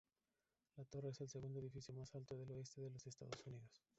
La torre es el segundo edificio más alto del oeste de los Estados Unidos.